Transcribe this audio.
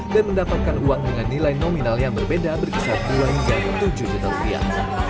dan mendapatkan uang dengan nilai nominal yang berbeda berkisar dua hingga tujuh juta rupiah